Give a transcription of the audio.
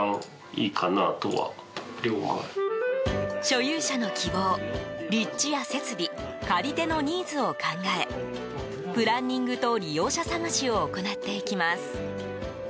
所有者の希望、立地や設備借り手のニーズを考えプランニングと利用者探しを行っていきます。